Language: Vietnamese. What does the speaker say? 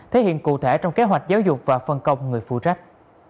thể hiện cụ thể trong kế hoạch giáo dục và phân công người phụ trách